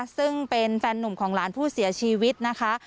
ซึ่งเป็นแฟนหนุ่มของหลานผู้เสียชีวิตนะคะ